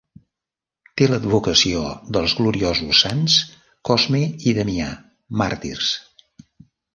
Té l'advocació dels gloriosos sants Cosme i Damià, màrtirs.